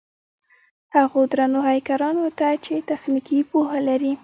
هغو درنو هېکرانو ته چې تخنيکي پوهه لري.